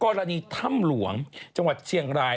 กรณีถ้ำหลวงจังหวัดเชียงราย